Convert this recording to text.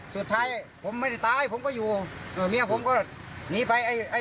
สุดท้ายผมไม่ได้ตายผมก็อยู่เมียผมก็หนีไปไอ้